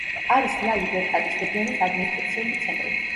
არის ლა-ლიბერტადის რეგიონის ადმინისტრაციული ცენტრი.